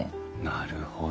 なるほどね。